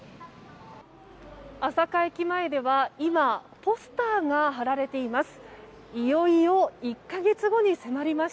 朝霞駅前では今、ポスターが貼られています。